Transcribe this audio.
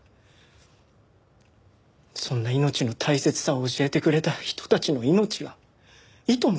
そんな命の大切さを教えてくれた人たちの命がいとも